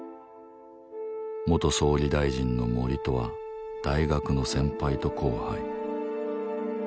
元総理大臣の森とは大学の先輩と後輩。